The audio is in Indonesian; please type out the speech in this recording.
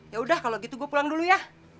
yaudah kalau gitu gue pulang dulu ya